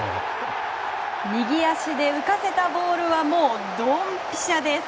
右足で浮かせたボールはもう、どんぴしゃです。